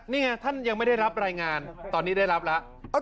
นี่ไงท่านยังไม่ได้รับรายงานตอนนี้ได้รับแล้ว